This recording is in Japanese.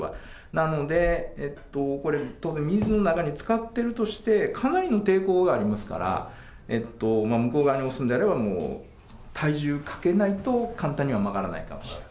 なので、これ、当然水の中につかっているとして、かなりの抵抗がありますから、向こう側に押すんであれば、もう体重かけないと簡単には曲がらないかもしれない。